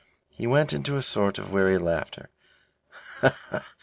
He went into a sort of weary laughter.